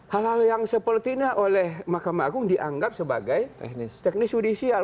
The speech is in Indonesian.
hal hal yang sepertinya oleh mahkamah agung dianggap sebagai teknis judicial